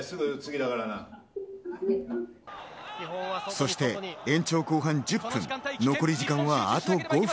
そして延長後半１０分残り時間はあと５分。